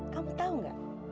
kamu tahu gak